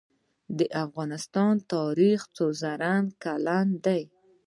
د افغانستان تاریخ څو زره کلن دی؟